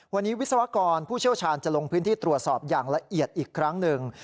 วันนี้วิศวกรผู้เชี่ยวชาญจะลงพื้นที่ตรวจสอบอย่างละเอียดอีกครั้งหนึ่ง